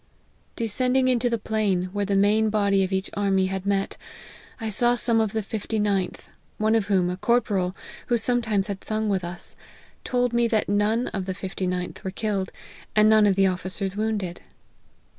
Descending into the plain, where the main body of each army had met, I saw some of the fifty ninth, one of whom, a corporal, who sometimes had sung with us, told me that none of the fifty ninth were killed, and none of the officers wounded.